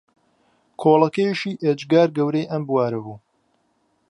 کۆڵەکەیەکی ئێجگار گەورەی ئەم بوارە بوو